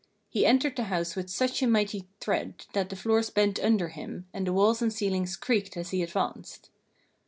He entered the house with such a mighty tread that the floors bent under him and the walls and ceilings creaked as he advanced.